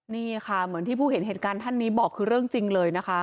นี่ค่ะเหมือนที่ผู้เห็นเหตุการณ์ท่านนี้บอกคือเรื่องจริงเลยนะคะ